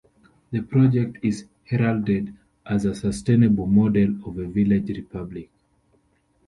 The project is heralded as a sustainable model of a village republic.